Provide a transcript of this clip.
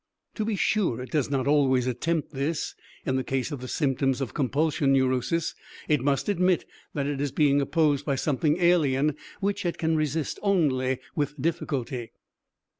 To be sure, it does not always attempt this; in the case of the symptoms of compulsion neurosis it must admit that it is being opposed by something alien, which it can resist only with difficulty.